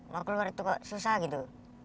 mau keluar itu kok susah gitu